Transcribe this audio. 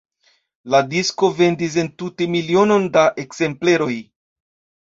La disko vendis entute milionon da ekzempleroj.